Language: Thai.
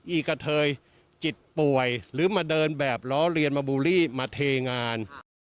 อีกะเทยจิตป่วยหรือมาเดินแบบล้อเลียนมาบูลลี่มาเทงาน